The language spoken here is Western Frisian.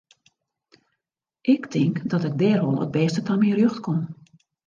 Ik tink dat ik dêr wol it bêste ta myn rjocht kom.